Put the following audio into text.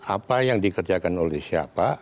apa yang dikerjakan oleh siapa